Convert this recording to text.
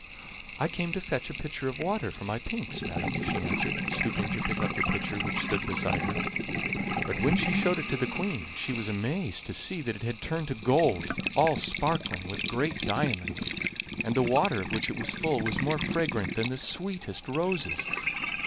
"I came to fetch a pitcher of water for my pinks, madam," she answered, stooping to pick up the pitcher which stood beside her; but when she showed it to the Queen she was amazed to see that it had turned to gold, all sparkling with great diamonds, and the water, of which it was full, was more fragrant than the sweetest roses.